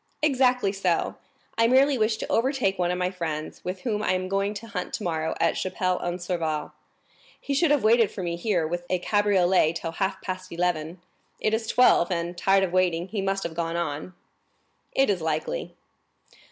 "Exactly so; I merely wish to overtake one of my friends, with whom I am going to hunt tomorrow at Chapelle en Serval. He should have waited for me here with a cabriolet till half past eleven; it is twelve, and, tired of waiting, he must have gone on." "It is likely."